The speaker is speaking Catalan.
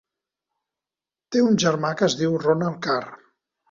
Té un germà que es diu Ronald Carr.